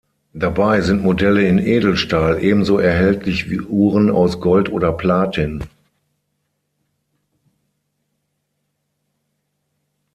Dabei sind Modelle in Edelstahl ebenso erhältlich wie Uhren aus Gold oder Platin.